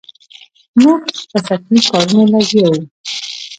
موږ په سطحي کارونو لګیا یو.